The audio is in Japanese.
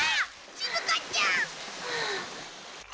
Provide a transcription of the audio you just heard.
しずかちゃん！